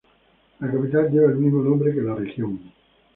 La capital lleva el mismo nombre que la región.